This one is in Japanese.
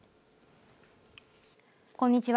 こんにちは。